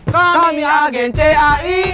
kami agen cai